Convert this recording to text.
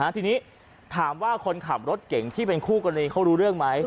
ทีนี้ถามว่าคนขับรถเก่งที่เป็นคู่กรณีเขารู้เรื่องไหม